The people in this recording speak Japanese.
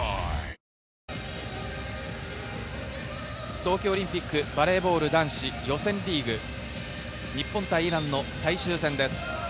東京オリンピックバレーボール男子予選リーグ、日本対イランの最終戦です。